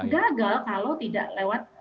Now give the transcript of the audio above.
gagal kalau tidak lewat